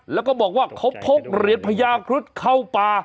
แล้วก็บอกว่าเขาพกเหรียญพญาครุฑเข้าป่า